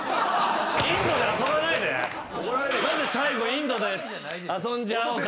何で最後インドで遊んじゃおうか。